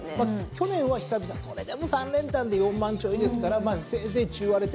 去年は久々それでも３連単で４万ちょいですからせいぜい中荒れ程度。